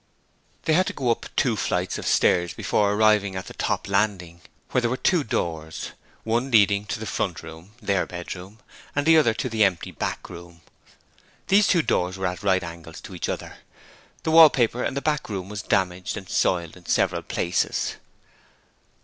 They had to go up two flights of stairs before arriving at the top landing, where there were two doors, one leading into the front room their bedroom and the other into the empty back room. These two doors were at right angles to each other. The wallpaper in the back room was damaged and soiled in several places.